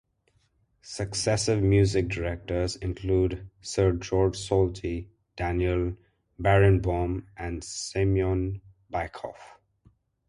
Successive music directors include Sir Georg Solti, Daniel Barenboim, and Semyon Bychkov.